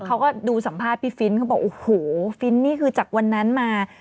เขาก็ดูสัมภาษณ์พี่ฟินเขาบอกโอ้โหฟินนี่คือจากวันนั้นมา